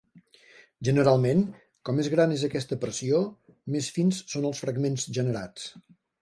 Generalment, com més gran és aquesta pressió, més fins són els fragments generats.